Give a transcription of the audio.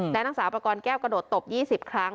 และนักศึกษาอุปกรณ์แก้วกระโดดตบ๒๐ครั้ง